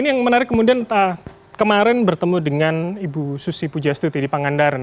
ini yang menarik kemudian kemarin bertemu dengan ibu susi pujastuti di pangandaran